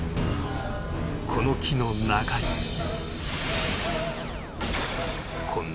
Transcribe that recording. この木の中には